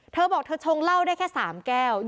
เธอบอกเธอชงเหล้าได้แค่๓แก้ว